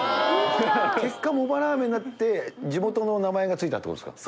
結果もばらーめんになって地元の名前が付いたって事ですか。